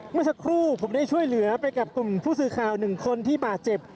เมื่อสักครู่ผมได้ช่วยเหลือไปกับกลุ่มผู้สื่อข่าวหนึ่งคนที่บาดเจ็บ